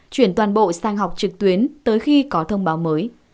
chuyển toàn bộ sang học trực tuyến tới khi có thông báo mới